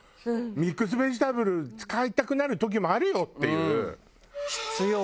ミックスベジタブル使いたくなる時もあるよっていう。